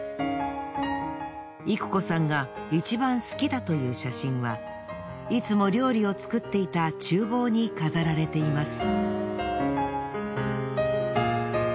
いく子さんがいちばん好きだという写真はいつも料理を作っていたちゅう房に飾られています。